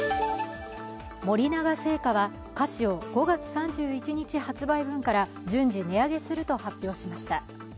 森永製菓は菓子を５月３１日発売分から順次値上げすると発表しました。